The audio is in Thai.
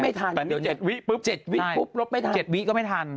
ไม่ถัน๗วิปุ๊บ๗วิปุ๊บลบไม่ทัน๗วิก็ไม่ทัน